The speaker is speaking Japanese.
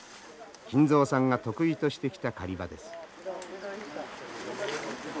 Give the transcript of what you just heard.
金蔵さんが得意としてきた狩り場です。